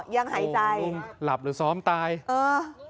ยังหายใจโอ้โหลุงหลับหรือซ้อมตายเออ